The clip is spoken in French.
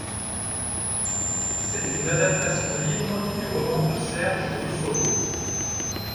C'est une adaptation libre du roman de Serge Brussolo.